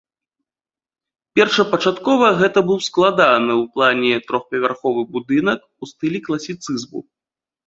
Першапачаткова гэта быў складаны ў плане трохпавярховы будынак у стылі класіцызму.